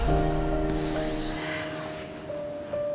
nino aku mau ke kampus